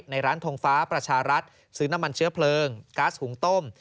ในร้านทงฟ้าประชารัฐซื้อน้ำมันเชื้อเพลิงก๊าซหุงต้ม